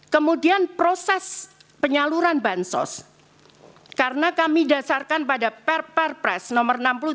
kemudian proses penyaluran bansos karena kami dasarkan pada per per pres nomor enam puluh tiga